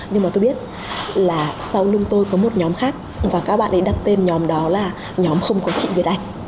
nhưng mà tôi biết là sau lưng tôi có một nhóm khác và các bạn ấy đặt tên nhóm đó là nhóm không có chị việt anh